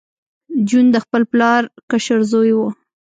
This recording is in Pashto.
جون د خپل پلار کشر زوی و